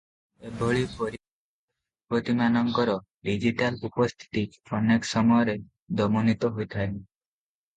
ଏଭଳି ପରିବାରର ଯୁବତୀମାନଙ୍କର ଡିଜିଟାଲ ଉପସ୍ଥିତି ଅନେକ ସମୟରେ ଦମନିତ ହୋଇଥାଏ ।